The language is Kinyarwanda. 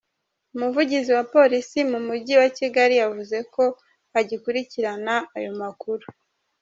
Umuvugizi wa Polisi mu Mujyi wa Kigali yavuze ko agikurikirana aya makuru.